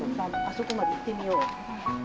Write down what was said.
あそこまで行ってみよう。